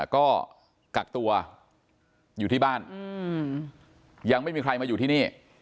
ก็กักตัวอยู่ที่บ้านยังไม่มีใครมาอยู่ที่นี่